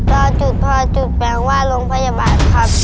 รรแปลงว่าโรงพยาบาทครับ